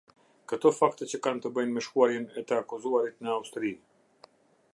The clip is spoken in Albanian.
Këto fakte që kanë të bëjnë me shkuarjen e të akuzuarit në Austri.